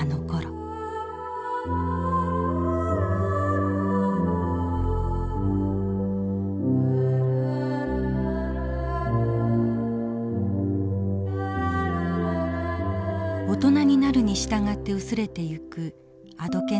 大人になるに従って薄れていくあどけない子供の心。